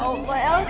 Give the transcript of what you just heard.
orang banyak crisis